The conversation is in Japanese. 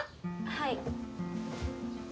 はい。